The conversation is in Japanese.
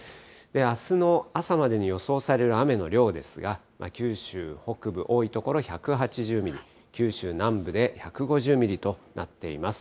あすの朝までに予想される雨の量ですが、九州北部、多い所１８０ミリ、九州南部で１５０ミリとなっています。